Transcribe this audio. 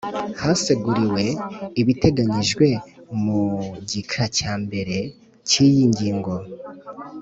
Haseguriwe ibiteganyijwe mu gika cyambere cy iyingingo